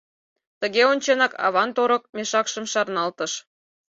Тыге онченак, аван торык мешакшым шарналтыш.